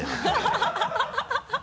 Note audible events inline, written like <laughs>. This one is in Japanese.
ハハハ <laughs>